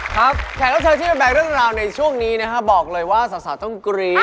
แค่เจ้าเชิญที่เป็นแบตเรื่องราวในช่วงนี้เดี๋ยวฟังว่าสาวต้องกรี๊ก